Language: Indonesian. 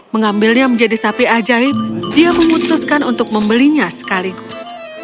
mengambilnya menjadi sapi ajaib dia memutuskan untuk membelinya sekaligus